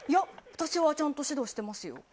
私はちゃんと指導してますよ。